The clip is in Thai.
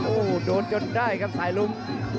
โอ้โหโดนจนได้ครับสายลุ้ม